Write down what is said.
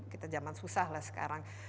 kita zaman susah lah sekarang